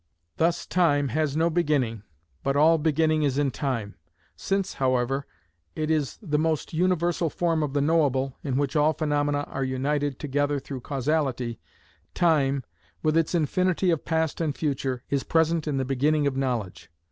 Thus time has no beginning, but all beginning is in time. Since, however, it is the most universal form of the knowable, in which all phenomena are united together through causality, time, with its infinity of past and future, is present in the beginning of knowledge.